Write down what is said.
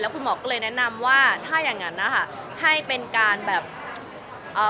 คุณหมอก็เลยแนะนำว่าถ้าอย่างงั้นนะคะให้เป็นการแบบเอ่อ